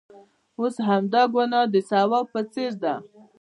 اوس همدا ګناه د ثواب په څېر ده.